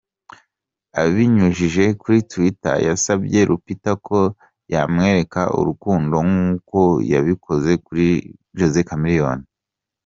Abinyujije kuri twitter yasabye Lupita ko yamwereka urukundo nkuko yabikoze kuri Jose Chameleone .